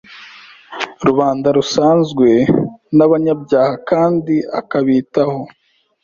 rubanda rusanzwe n’abanyabyaha kandi akabitaho